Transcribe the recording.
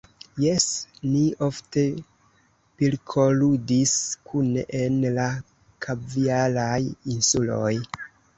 Jes; ni ofte pilkoludis kune en la Kaviaraj Insuloj.